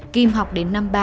kim học đến năm ba